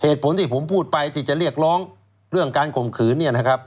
เหตุผลที่ผมพูดไปที่จะเรียกร้องเรื่องการข่มขืนเนี่ยนะครับ